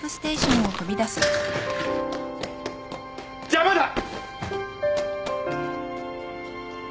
邪魔だ！